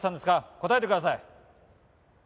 答えてください。